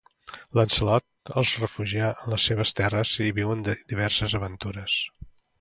Lancelot els refugia en les seves terres i viuen diverses aventures.